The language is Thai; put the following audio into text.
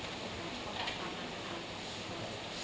เยี่ยมเหมือน